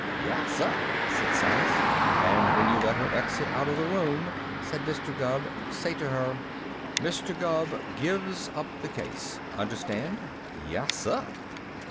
"Yassah!" said Silas. "And when you let her exit out of the room," said Mr. Gubb, "say to her: 'Mister Gubb gives up the case.' Understand?" "Yassah!"